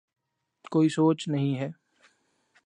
کوئی سوچ نہیں ہے۔